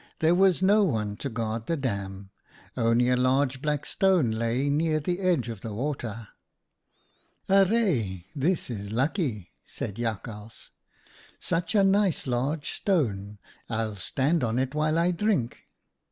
there was no one to guard the dam ; only a large black stone lay near the edge of the water. "' Arre ! this is lucky,' said Jakhals. ' Such a nice large stone ! I'll stand on it while I drink.'